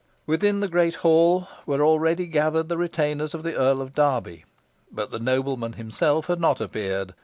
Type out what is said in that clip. Within the great hall were already gathered the retainers of the Earl of Derby, but the nobleman himself had not appeared.